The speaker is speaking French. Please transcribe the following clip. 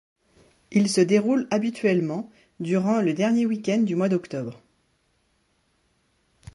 Il se déroule habituellement durant le dernier week-end du mois d'octobre.